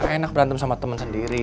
enak berantem sama teman sendiri